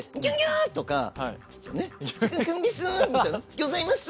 「ギョざいます！」